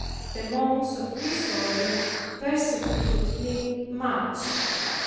The monks of his order persecuted me much.